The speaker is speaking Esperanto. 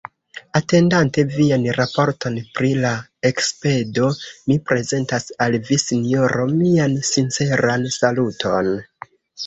Atendante vian raporton pri la ekspedo, mi prezentas al vi, Sinjoro, mian sinceran saluton.